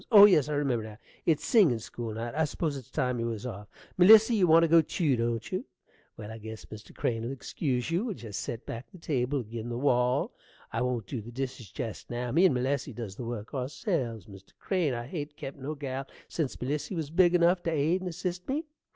Oh, yes, I remember now; it's singin' school night: I s'pose it's time you was off. Melissy, you want to go tew, don't you? Well, I guess Mr. Crane'll excuse you. We'll jest set back the table ag'in' the wall. I won't dew the dishes jest now. Me and Melissy does the work ourselves, Mr. Crane. I hain't kept no gal sense Melissy was big enough t' aid and assist me.